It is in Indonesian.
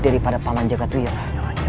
daripada paman jagadwira